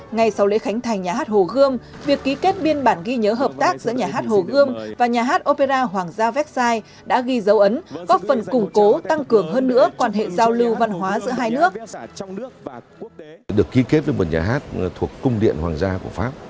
ngay sau lễ khánh thành nhà hát hồ gươm việc ký kết biên bản ghi nhớ hợp tác giữa nhà hát hồ gươm và nhà hát opera hoàng gia vecsai đã ghi dấu ấn góp phần củng cố tăng cường hơn nữa quan hệ giao lưu văn hóa giữa hai nước